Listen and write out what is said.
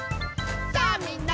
「さあみんな！